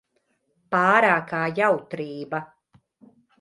Pārākā jautrība.